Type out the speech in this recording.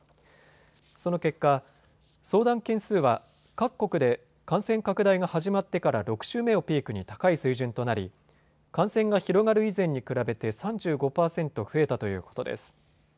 その結果、相談件数は各国で感染拡大が始まってから６週目をピークに高い水準となり感染が広がる以前に比べて３５％増えたということです。